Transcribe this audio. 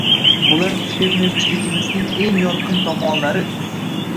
— bular «fermer»chiligimizning eng «yorqin» tomonlari.